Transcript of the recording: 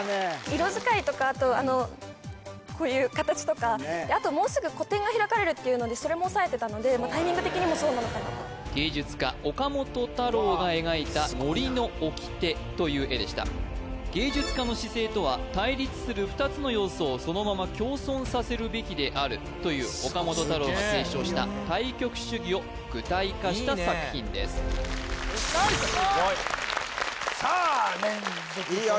色使いとかこういう形とかあともうすぐ個展が開かれるっていうのでそれもおさえてたのでタイミング的にもそうなのかなと芸術家岡本太郎が描いた森の掟という絵でした芸術家の姿勢とは対立する２つの要素をそのまま共存させるべきであるという岡本太郎が提唱した対極主義を具体化した作品ですナイス！